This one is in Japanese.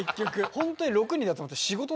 ホントに６人で集まって。